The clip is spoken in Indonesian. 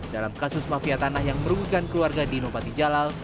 dalam kasus mafia tanah yang merugikan keluarga dino patijalal